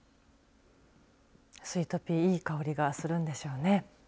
スイートピー、いい香りがするんでしょうね。